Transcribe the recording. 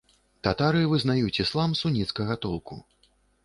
Татары вызнаюць іслам суніцкага толку.